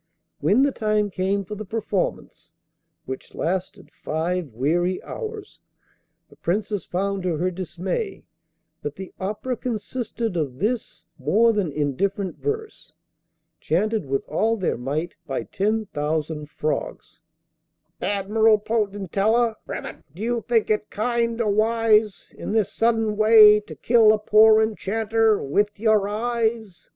When the time came for the performance (which lasted five weary hours) the Princess found to her dismay that the 'opera' consisted of this more than indifferent verse, chanted with all their might by ten thousand frogs: 'Admirable Potentilla, Do you think it kind or wise In this sudden way to kill a Poor Enchanter with your eyes?